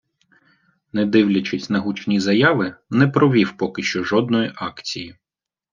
Не дивлячись на гучні заяви, не провів поки що жодної акції.